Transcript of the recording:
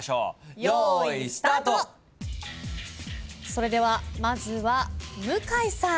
それではまずは向井さん。